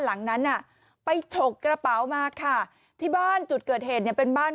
หลังนั้นน่ะไปฉกกระเป๋ามาค่ะที่บ้านจุดเกิดเหตุเนี่ยเป็นบ้าน